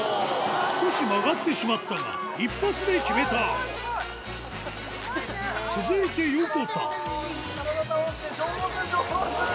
少し曲がってしまったが一発で決めた続いて横田体倒して上手上手！